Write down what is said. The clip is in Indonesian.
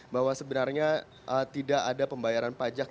bahwa sebenarnya tidak ada pembayaran pajak